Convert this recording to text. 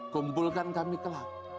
kumpulkan kami kelak